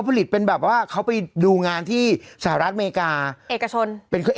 ตอนนี้เขาออกไปนอกไปอยู่เวียดนามกันหมดละค่ะรู